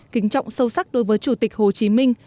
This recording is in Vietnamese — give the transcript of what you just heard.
kính trọng sâu sắc đối với chủ tịch hồ chí minh